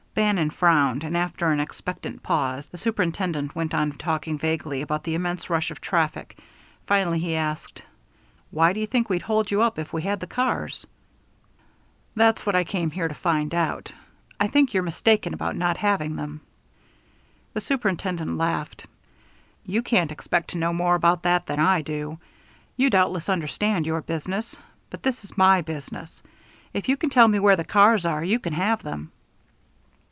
Bannon frowned, and after an expectant pause, the superintendent went on talking vaguely about the immense rush of traffic. Finally he asked, "Why do you think we'd hold you up if we had the cars?" "That's what I came here to find out. I think you're mistaken about not having them." The superintendent laughed. "You can't expect to know more about that than I do. You doubtless understand your business, but this is my business. If you can tell me where the cars are, you can have them."